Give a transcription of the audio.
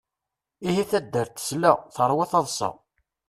Ihi taddart tesla, teṛwa taḍsa.